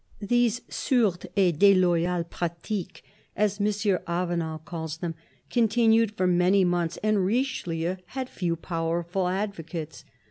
These " sourdes et deloyales pratiques," as M. Avenel calls them, continued for many months, and Richelieu had few powerful advocates.